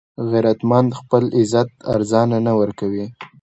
غیرتمند خپل عزت ارزانه نه ورکوي